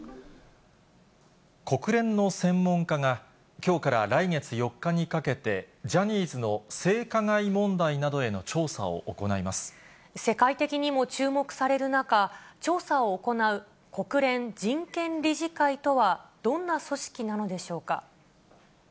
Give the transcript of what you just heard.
国連の専門家が、きょうから来月４日にかけて、ジャニーズの性加害問題などへの世界的にも注目される中、調査を行う国連人権理事会とは、どんな組織なのでしょうか。